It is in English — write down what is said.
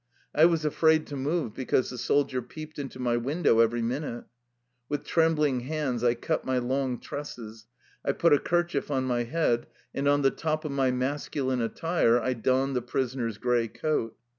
I was afraid to move, because the soldier peeped into my win dow every minute. With trembling hands I cut my long tresses. I put a kerchief on my head, and on the top of my masculine attire I donned the prisoner's gray coat.